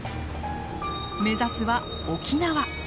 目指すは沖縄。